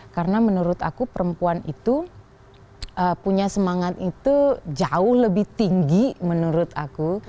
karena menurut aku perempuan itu punya semangat itu jauh lebih tinggi menurut aku